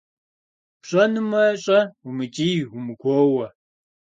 ПщӀэнумэ, щӀэ, умыкӀий-умыгуоуэ!